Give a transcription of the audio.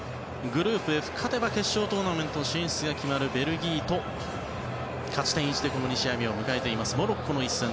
グループＦ、勝てば決勝トーナメント進出が決まるベルギーと、勝ち点１で２試合目を迎えているモロッコの一戦。